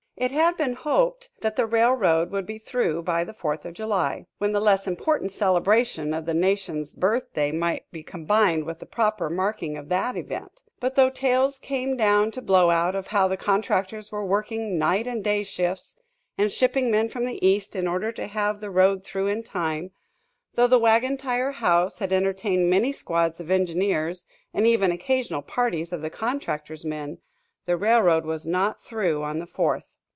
It had been hoped that the railroad would be through by the Fourth of July, when the less important celebration of the nation's birthday might be combined with the proper marking of that event. But though tales came down to Blowout of how the contractors were working night and day shifts, and shipping men from the East in order to have the road through in time, though the Wagon Tire House had entertained many squads of engineers and even occasional parties of the contractors' men, the railroad was not through on the Fourth.